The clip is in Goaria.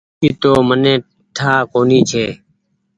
اي تو مني ٺآ ڪونيٚ ڇي ۔